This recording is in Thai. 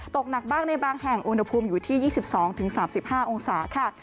ตกหนักบ้างในบางแห่งอุณหภูมิอยู่ที่๒๒๓๕องศาค่ะ